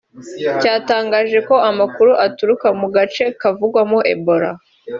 cyatangaje ko amakuru aturuka mu gace kavugwamo Ebola